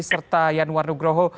serta yanwar nugroho